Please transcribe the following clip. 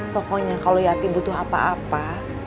pokoknya kalau yati butuh apa apa